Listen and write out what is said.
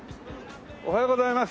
おはようございます。